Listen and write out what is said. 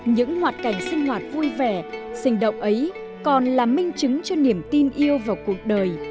những hoạt cảnh sinh hoạt vui vẻ sinh động ấy còn là minh chứng cho niềm tin yêu vào cuộc đời